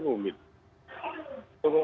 selalu rumit kan